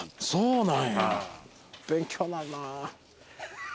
そうなんや勉強なるなぁ。